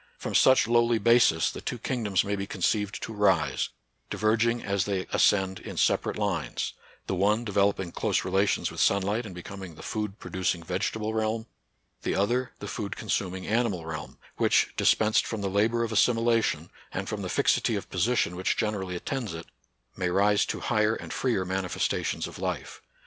From such lowly basis the two king doms may be conceived to rise, diverging as they ascend in separate lines, — the one devel oping close relations with sunlight and becom ing the food producing vegetable realm ; the other, the food consuming animal realm, which, dispensed from the labor of assimilation, and from the fixity of' position which generally at tends it, may rise to higher and freer mani festations of life.